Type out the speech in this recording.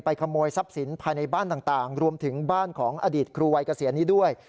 ขโมยทรัพย์สินภายในบ้านต่างรวมถึงบ้านของอดีตครูวัยเกษียณนี้ด้วย